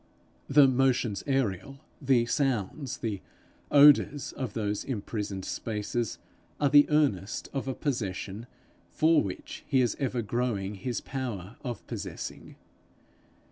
The motions aerial, the sounds, the odours of those imprisoned spaces, are the earnest of a possession for which is ever growing his power of possessing.